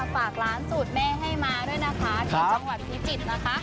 ฝากร้านสูตรแม่ให้มาด้วยนะคะที่จังหวัดพิจิตรนะคะ